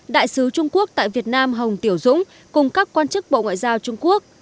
đại sứ trung quốc tại việt nam hồng tiểu dũng cùng các quan chức bộ ngoại giao trung quốc